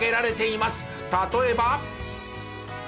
例えば。